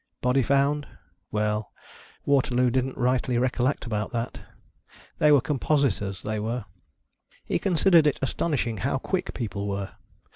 Body found ? Well. Waterloo didn't rightly recollect about that. They were compositors, they were. He considered it astonishing how quick people were